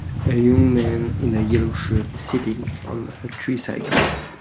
A young man in a yellow shirt sitting on a tricycle.